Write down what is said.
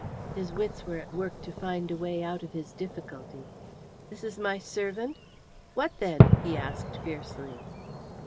His wits were at work to find a way out of his difficulty. "This is my servant? What then?" he asked fiercely.